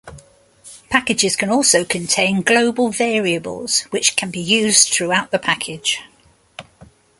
Packages can also contain global variables which can be used throughout the package.